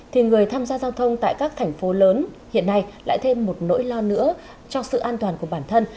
thì người tham gia giao thông tại các thành phố lớn hiện nay lại thêm một nỗi lo nữa cho sự an toàn của bản thân